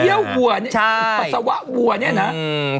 เยี่ยววัวนี้ปัสสาวะวัวนี้เหรอ